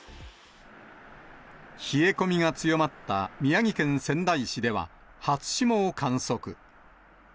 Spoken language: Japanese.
冷え込みが強まった宮城県仙台市では、初霜を観測。